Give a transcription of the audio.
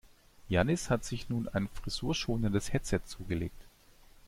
Jannis hat sich nun ein frisurschonendes Headset zugelegt.